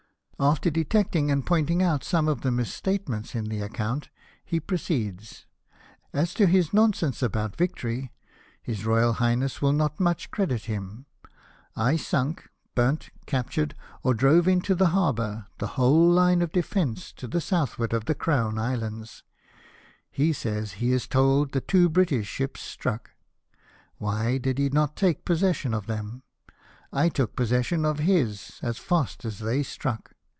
After detecting and pointing out some of the mis statements in the account, he proceeds :" As to his nonsense about victory, His Royal Highness will not much credit him. I sunk, burnt, captured, or drove into the harbour, the whole line of defence to the southward of the Crown Islands. He says he is told that two British ships struck. Why did he not take possession of them ? I took possession of his as fast as they struck.